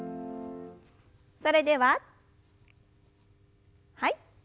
それでははい。